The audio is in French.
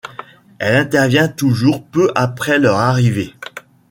Elle intervient toujours peu après leur arrivée.